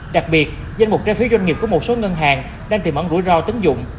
đặc biệt danh mục trái phiếu doanh nghiệp của một số ngân hàng đang tìm ẩn rủi ro tính dụng